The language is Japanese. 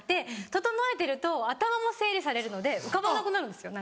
整えてると頭も整理されるので浮かばなくなるんですよ。